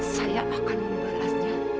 saya akan membalasnya